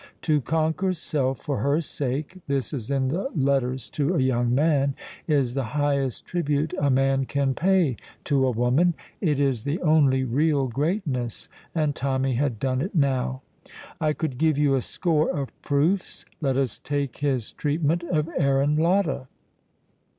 To conquer self for her sake (this is in the "Letters to a Young Man") is the highest tribute a man can pay to a woman; it is the only real greatness, and Tommy had done it now. I could give you a score of proofs. Let us take his treatment of Aaron Latta.